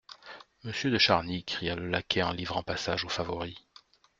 Monsieur de Charny ! cria le laquais en livrant passage au favori.